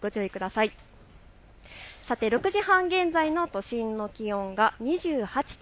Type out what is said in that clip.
さて６時半現在の都心の気温が２８．９度。